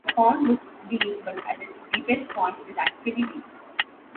The pond looks deep but at its deepest point it is actually deep.